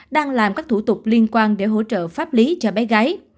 đang làm các thủ tục liên quan để hỗ trợ pháp lý cho bé gái